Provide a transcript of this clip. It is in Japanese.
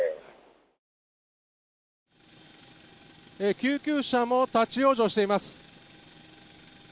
救急車も立ち往生しています。